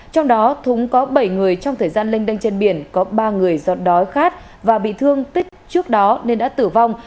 trong đó thúng có bảy người trong thời gian lênh đâng trên biển có ba người giọt đói khát và bị thương tích trước đó nên đã tử vong